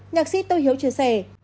nhạc sĩ tô hiếu chia sẻ